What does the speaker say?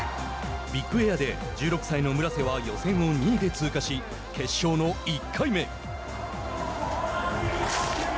ビッグエアで１６歳の村瀬は予選を２位で通過し決勝の１回目。